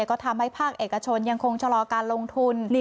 ก็ทำให้ภาคเอกชนยังคงชะลอการลงทุน